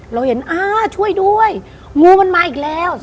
เราเห็นอ่าช่วยด้วยงูมันมาอีกแล้ว